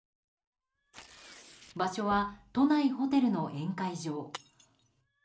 場所は都内ホテルの宴会場。